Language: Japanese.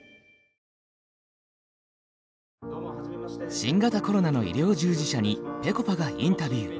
新型コロナの医療従事者にぺこぱがインタビュー。